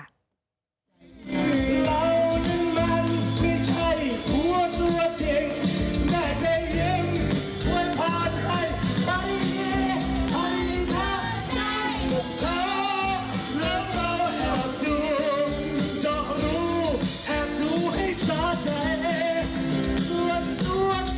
ดังนี้ค่ะนี่เป็นคลิปที่เป็นการยืนยันว่ามาเป็นคนสนิทกันนะคะ